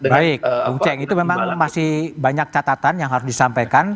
baik bung ceng itu memang masih banyak catatan yang harus disampaikan